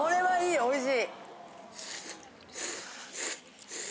おいしい！